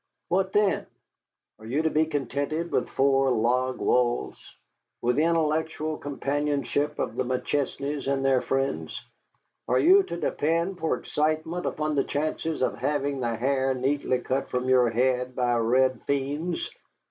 What then? Are you to be contented with four log walls? With the intellectual companionship of the McChesneys and their friends? Are you to depend for excitement upon the chances of having the hair neatly cut from your head by red fiends?